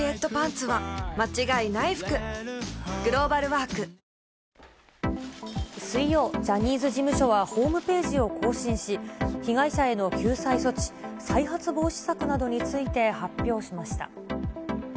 わぁ水曜、ジャニーズ事務所はホームページを更新し、被害者への救済措置、再発防止策などについて発表しました。